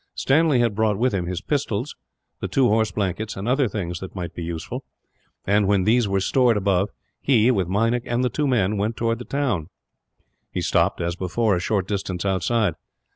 Stanley had brought with him his pistols, the two horse blankets, and other things that might be useful and, when these were stored above he, with Meinik and the two men, went towards the town. He stopped, as before, a short distance outside.